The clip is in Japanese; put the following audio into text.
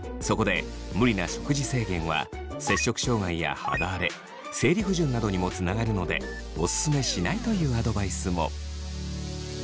そこで無理な食事制限は摂食障害や肌荒れ生理不順などにもつながるのでおすすめしないというアドバイスも。